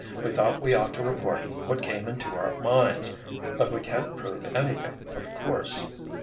"We thought we ought to report what came into our minds. But we can't prove anything, of course."